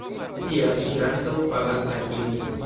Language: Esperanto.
Tial ŝi ankaŭ pagas al ili.